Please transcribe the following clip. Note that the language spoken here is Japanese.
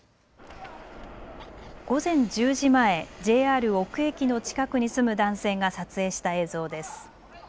午前１０時前、ＪＲ尾久駅の近くに住む男性が撮影した映像です。